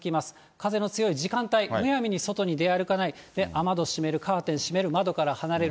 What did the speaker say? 風の強い時間帯、むやみに外に出歩かない、雨戸閉める、カーテン閉める、窓から離れる。